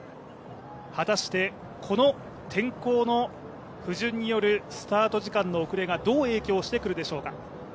果たして、この天候の不純によるスタート時間の遅れがどう影響してくるでしょうか。